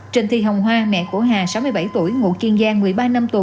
trình thi hồng hoa mẹ của hà sáu mươi bảy tuổi ngụ kiên giang một mươi ba năm tù